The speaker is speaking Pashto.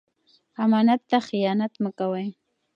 امانت ته خیانت مه کوئ.